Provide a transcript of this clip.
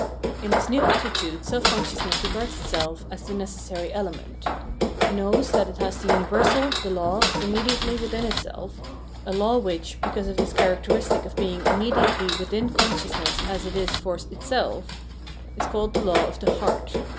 In its new attitude self consciousness regards itself as the necessary element. It knows that it has the universal, the law, immediately within itself, a law which, because of this characteristic of being immediately within con sciousness as it is for itself, is called the Law of the Heart.